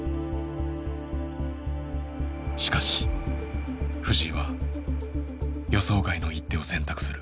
しかし藤井は予想外の一手を選択する。